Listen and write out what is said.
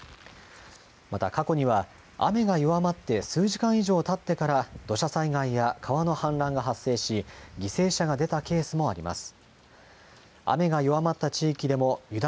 また過去には、雨が弱まって数時間以上たってから土砂災害や川の氾濫が発生し、犠牲者が出たケースもあります。